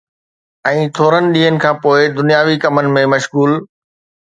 ۽ ٿورن ڏينهن کان پوءِ دنياوي ڪمن ۾ مشغول